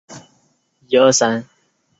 体成鼠灰色有极细之暗色点散布。